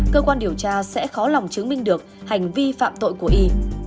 cơ quan điều tra sẽ khó lòng chứng minh được hành vi phạm tội của y